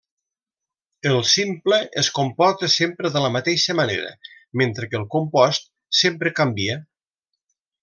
El simple es comporta sempre de la mateixa manera, mentre que el compost sempre canvia.